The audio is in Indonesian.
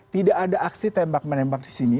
tidak ada aksi tembak menembak di sini